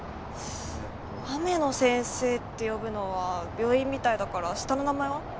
「雨野先生」って呼ぶのは病院みたいだから下の名前は？